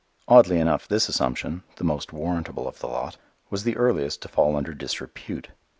Oddly enough this assumption the most warrantable of the lot was the earliest to fall under disrepute.